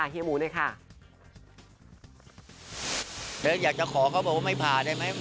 เดิร์ดอยากจะขอเขาบอกว่าไม่ผ่าได้ไหม